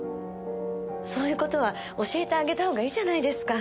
そういう事は教えてあげた方がいいじゃないですか。